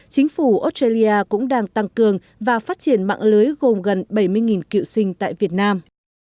chính phủ australia cũng đang tăng cường và phát triển mạng lưới gồm gần bảy mươi cựu sinh tại việt nam